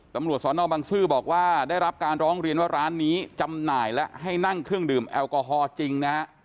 ตำรวจสอนอบังซื้อบอกว่าได้รับการร้องเรียนว่าร้านนี้จำหน่ายและให้นั่งเครื่องดื่มแอลกอฮอลจริงนะฮะ